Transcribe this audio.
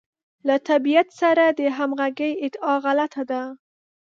له طبیعت سره د همغږۍ ادعا غلطه ده.